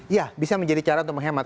ya bisa menjadi cara untuk menghemat